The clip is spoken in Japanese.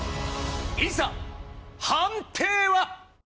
いざ判定は？